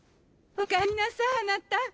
おかえりなさいあなた。